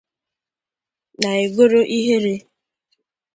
na-egoro ihere